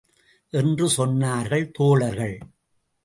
என்று சொன்னார்கள் தோழர்கள்.